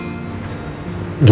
nanti aku akan nyari dia ya